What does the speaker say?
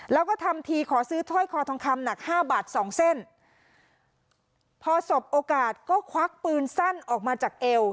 แล้วก็ทำทีขอซื้อถ้อยคอทองคำหนักห้าบาทสองเส้นพอสบโอกาสก็ควักปืนสั้นออกมาจากเอว